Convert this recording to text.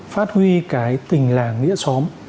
phát huy cái tình làng nghĩa xóm